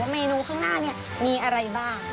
เมนูข้างหน้ามีอะไรบ้าง